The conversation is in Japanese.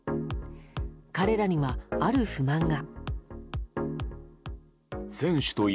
彼らには、ある不満が。